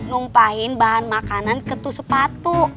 numpahin bahan makanan ketu sepatu